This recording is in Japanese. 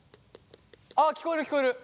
あ聞こえる聞こえる。